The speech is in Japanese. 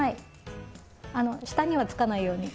下にはつかないように。